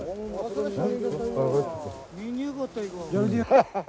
ハハハ